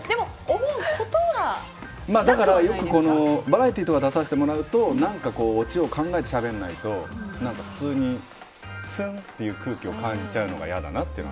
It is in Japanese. バラエティーとか出させてもらうと何かオチを考えてしゃべらないと普通にスンっていう空気を感じちゃうのが嫌だなって。